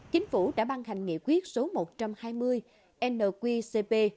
chính phủ đã ban hành nghị quyết số một trăm hai mươi nqcp